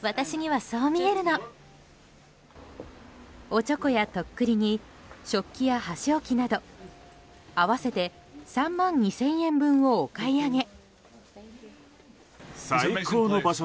おちょこやとっくりに食器や箸置きなど合わせて３万２０００円分をお買い上げ。